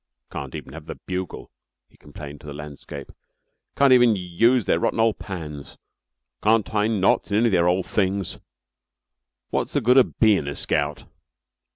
"Can't even have the bugle," he complained to the landscape. "Can't even use their rotten ole pans. Can't tie knots in any of their ole things. Wot's the good of bein' a scout?"